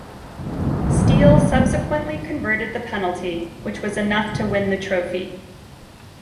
Steel subsequently converted the penalty, which was enough to win the trophy.